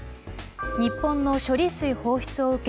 日本の処理水放出を受け